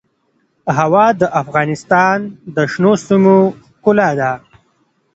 هوا د افغانستان د شنو سیمو ښکلا ده.